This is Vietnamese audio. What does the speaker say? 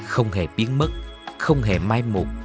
không hề biến mất không hề mai mục